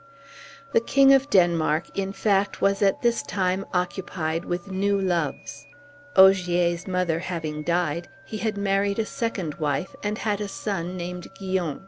The King of Denmark, in fact, was at this time occupied with new loves. Ogier's mother having died, he had married a second wife, and had a son named Guyon.